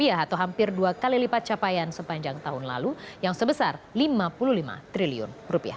atau hampir dua kali lipat capaian sepanjang tahun lalu yang sebesar rp lima puluh lima triliun